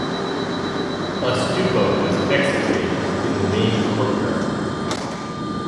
A stupa was excavated in the main courtyard.